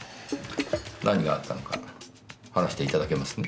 何があったのか話していただけますね。